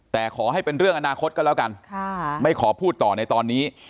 แต่ขอให้เป็นเรื่องอนาคตก็แล้วกันไม่ขอพูดต่อในตอนนี้